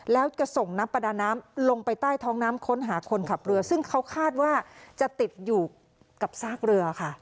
แล้วจะส่งนักประดาน้ำลงไปใต้ท้องน้ำค้นหาคนขับเรือซึ่งเขาคาดว่าจะติดอยู่กับซากเรือค่ะ